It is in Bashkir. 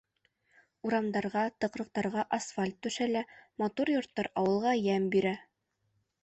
Урамдарға, тыҡрыҡтарға асфальт түшәлә, матур йорттар ауылға йәм бирә.